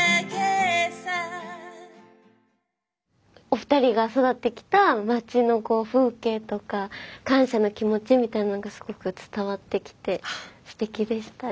お二人が育ってきた町の風景とか感謝の気持ちみたいなのがすごく伝わってきてステキでした。